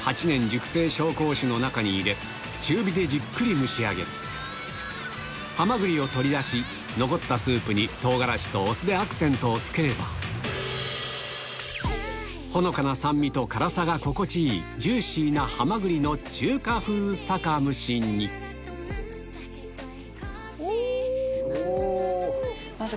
熟成紹興酒の中に入れ中火でじっくり蒸し上げハマグリを取り出し残ったスープに唐辛子とお酢でアクセントをつければほのかな酸味と辛さが心地いいジューシーなハマグリの中華風酒蒸しにお！